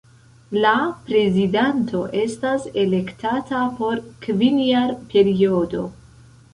La prezidanto estas elektata por kvinjarperiodo.